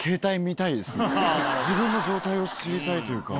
自分の状態を知りたいというか。